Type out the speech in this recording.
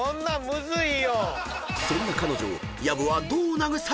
［そんな彼女を］